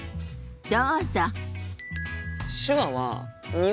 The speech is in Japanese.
どうぞ。